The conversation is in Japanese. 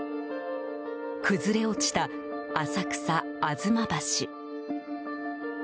崩れ落ちた浅草・吾妻橋。